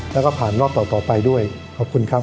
แล้วก็ผ่านรอบต่อไปด้วยขอบคุณครับ